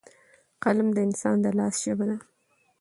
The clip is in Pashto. قلم د انسان د لاس ژبه ده.